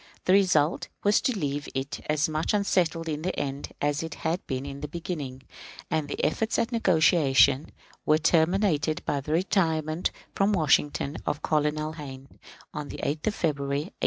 The result was to leave it as much unsettled in the end as it had been in the beginning, and the efforts at negotiation were terminated by the retirement from Washington of Colonel Hayne on the 8th of February, 1861.